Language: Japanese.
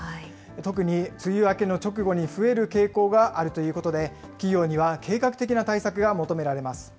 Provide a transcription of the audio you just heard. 特に梅雨明けの直後に増える傾向があるということで、企業には計画的な対策が求められます。